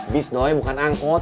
bis doi bukan angkot